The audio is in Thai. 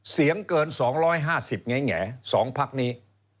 เสียงเกิน๒๕๐แง่๒พักนี้